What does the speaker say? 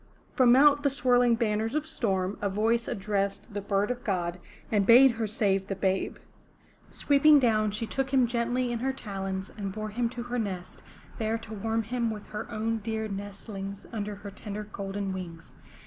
From out the swirling banners of storm, a voice addressed the Bird of God and bade her save the babe. Sweeping down she took him gently in her talons and bore him to her nest, there to warm him with her own dear nestlings under her tender golden wings.